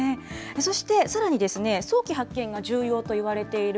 そしてさらに、早期発見が重要といわれている